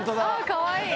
かわいい！